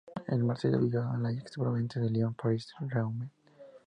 De Marsella viajó a Aix-en-Provence, Lyon, París y Rouen.